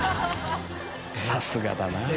さすがだな。